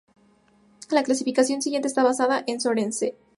La clasificación siguiente está basada en Sorensen "et al.